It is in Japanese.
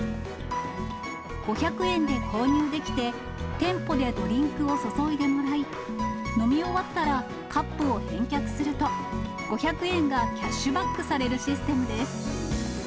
５００円で購入できて、店舗でドリンクを注いでもらい、飲み終わったら、カップを返却すると、５００円がキャッシュバックされるシステムです。